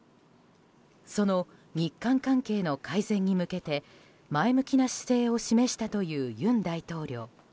その日韓関係の改善に向けて前向きな姿勢を示したという尹大統領。